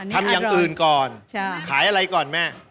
ทำอย่างอื่นก่อนขายอะไรก่อนแม่